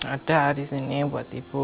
ada disini buat ibu